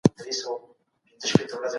موږ له رباني مرحلې تېر سوي يو.